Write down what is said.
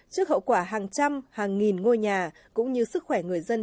trước hậu quả hàng trăm hàng nghìn ngôi nhà cũng như sức khỏe người dân